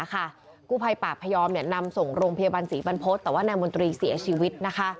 กู้ภัยป่าพยอมนำส่งโรงพยาบาลศรีบรรพฤษแต่ว่านายมนตรีเสียชีวิต